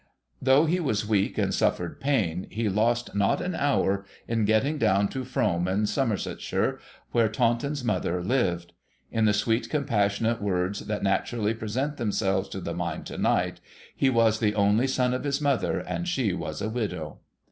Though he was weak and suffered pain, he lost not an hour in getting down to Frome in Somersetshire, where Taunton's mother lived. In the sweet, compassionate words that naturally present themselves to the mind to night, ' he was the only son of his mother, and she was a widow.'